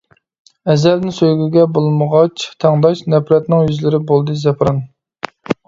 ئەزەلدىن سۆيگۈگە بولمىغاچ تەڭداش، نەپرەتنىڭ يۈزلىرى بولدى زەپىران.